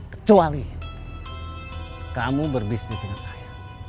kecuali kamu berbisnis dengan saya